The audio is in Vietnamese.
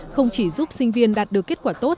không chỉ giúp sinh viên đạt được kết quả tốt